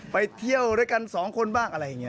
ไปเที่ยวด้วยกันสองคนบ้างอะไรอย่างนี้